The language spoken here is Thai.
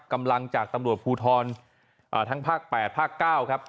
กำลังจากตำรวจภูทรทั้งภาค๘ภาค๙ครับ